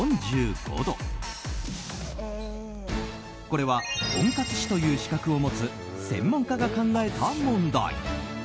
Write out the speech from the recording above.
これは温活士という資格を持つ専門家が考えた問題。